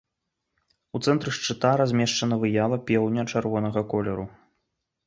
У цэнтры шчыта размешчана выява пеўня чырвонага колеру.